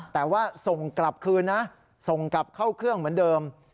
แต่ว่าส่งกลับคืนนะส่งกลับเข้าเครื่องเหมือนเดิม